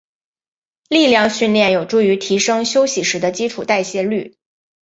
力量训练有助于提升休息时的基础代谢率。